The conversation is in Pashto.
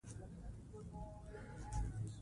لمریز ځواک د افغانستان په ستراتیژیک اهمیت کې رول لري.